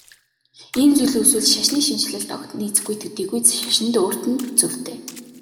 Ийм зүйл үүсвэл шашны шинэчлэлд огт нийцэхгүй төдийгүй шашинд өөрт нь цөвтэй.